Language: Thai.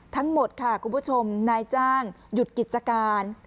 ทั้งหมดค่ะคุณผู้ชมนายจ้างหยุดกิจการ